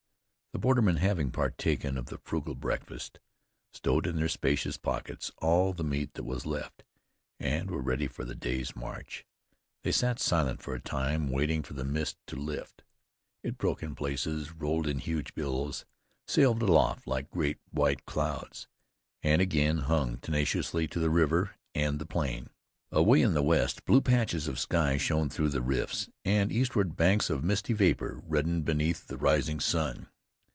The bordermen, having partaken of the frugal breakfast, stowed in their spacious pockets all the meat that was left, and were ready for the day's march. They sat silent for a time waiting for the mist to lift. It broke in places, rolled in huge billows, sailed aloft like great white clouds, and again hung tenaciously to the river and the plain. Away in the west blue patches of sky shone through the rifts, and eastward banks of misty vapor reddened beneath the rising sun.